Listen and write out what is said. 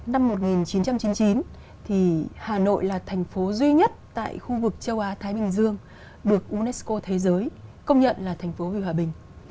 năm một nghìn chín trăm chín mươi chín thì hà nội là thành phố duy nhất tại khu vực châu á thái bình dương được unesco thế giới công nhận là thành phố vì hòa bình